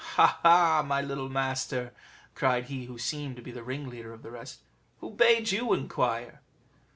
"Ha, ha! my little master," cried he who seemed to be the ringleader of the rest, "who bade you inquire?"